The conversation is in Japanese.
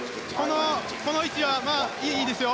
この位置はいいですよ。